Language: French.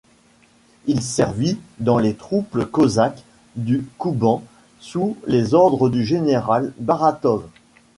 Il servit dans les troupes cosaques du Kouban sous les ordres du général Baratov.